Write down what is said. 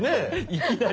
いきなり。